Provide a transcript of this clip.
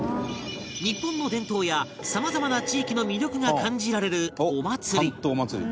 日本の伝統やさまざまな地域の魅力が感じられるお祭り